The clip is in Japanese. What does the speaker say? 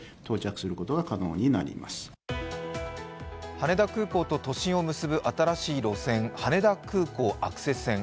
羽田空港と都心を結ぶ新しい路線、羽田空港アクセス線。